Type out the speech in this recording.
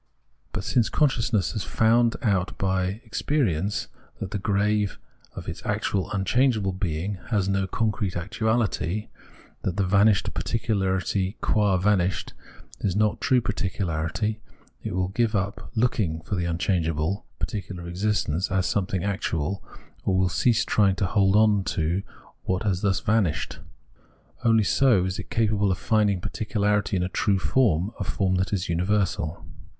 * But since con sciousness has found out by experience that the grave of its actual imchangeable Being has no concrete * Cp. The Crusades. The Unhappy Consciousness 209 actuality, that the vanished particularity qua vanished is not true particularity, it will give up looking for the unchangeable particular existence as something actual, or will cease trying to hold on to what has thus van ished. Only so is it capable of finding particularity in a true form, a form that is imiversal.